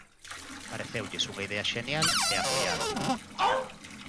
Pareceulles unha idea xenial e apoiárona.